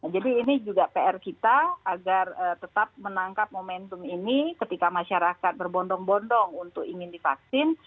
jadi ini juga pr kita agar tetap menangkap momentum ini ketika masyarakat berbondong bondong untuk ingin divaksin